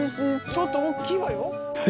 ちょっと大きいわよ！